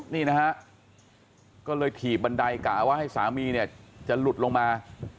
นี่นะฮะก็เลยถีบบันไดกะว่าให้สามีเนี่ยจะหลุดลงมา